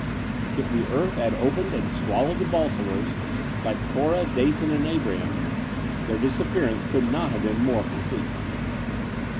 If the earth had opened and swal lowed the Bolsovers, like Korah, Dathan, and Abiram, their disappearance could not have been more complete.